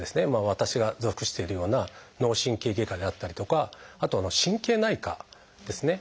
私が属しているような脳神経外科であったりとかあと神経内科ですね。